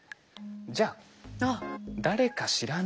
じゃあ誰か知らない。